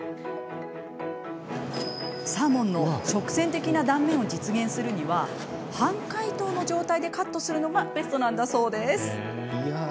サーモンの直線的な断面を実現するには半解凍の状態でカットするのがベストなんだそうです。